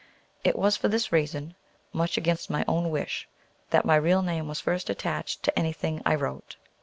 It was for this reason (much against my own wish) that my real name was first attached to anything I wrote.